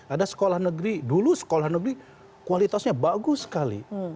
ada sekolah negeri dulu sekolah negeri kualitasnya bagus sekali